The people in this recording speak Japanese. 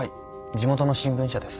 地元の新聞社です。